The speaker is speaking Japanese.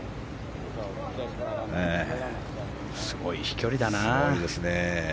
すごい飛距離だな。